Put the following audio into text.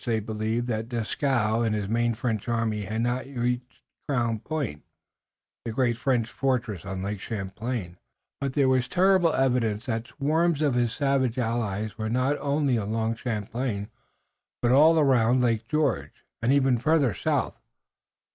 They believed that Dieskau and the main French army had not yet reached Crown Point, the great French fortress on Lake Champlain, but there was terrible evidence that the swarms of his savage allies were not only along Champlain but all around Lake George, and even farther south.